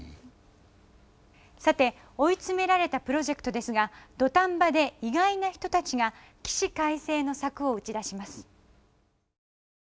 さて追い詰められたプロジェクトですが土壇場で意外な人たちが起死回生の策を打ち出します。